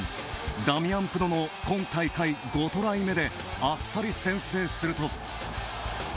ダミアン・プノの今大会５トライ目であっさり先制すると。